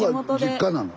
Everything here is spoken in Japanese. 実家なの？